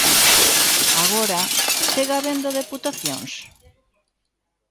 Agora, segue habendo deputacións?